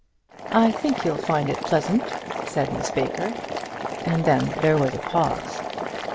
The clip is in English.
"I think you'll find it pleasant," said Miss Baker; and then there was a pause.